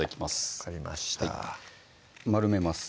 分かりました丸めます